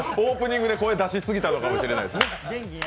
オープニングで声出し過ぎたのかもしれないですね。